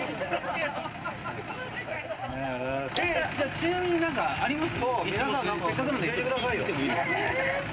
ちなみに何かあります？